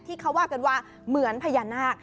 ที่เขาว่ากันว่าเหมือนพญานาค